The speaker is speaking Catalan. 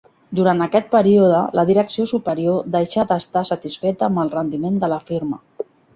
Durant aquest període, la direcció superior deixà d'estar satisfeta amb el rendiment de la firma.